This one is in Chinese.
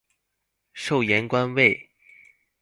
授盐官尉。